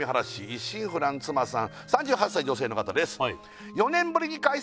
一心不乱妻さん３８歳女性の方です